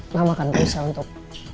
mama kan berusaha untuk